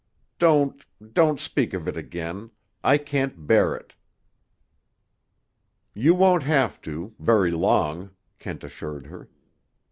"Don't—don't speak of it again. I can't bear it." "You won't have to, very long," Kent assured her.